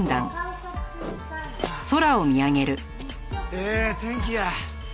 ええ天気や。